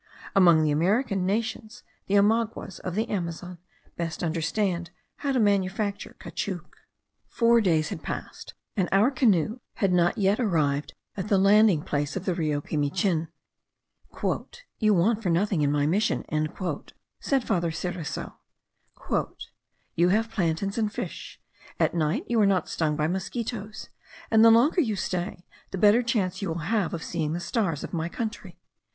Among the American nations, the Omaguas of the Amazon best understand how to manufacture caoutchouc. Four days had passed, and our canoe had not yet arrived at the landing place of the Rio Pimichin. "You want for nothing in my mission," said Father Cereso; "you have plantains and fish; at night you are not stung by mosquitos; and the longer you stay, the better chance you will have of seeing the stars of my country.